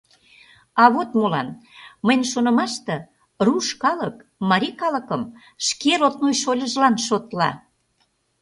— А вот молан: мыйын шонымаште, руш калык марий калыкым шке родной шольыжлан шотла.